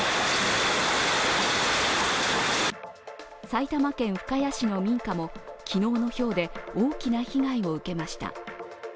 埼玉県深谷市の民家も昨日のひょうで大きな被害を受けました。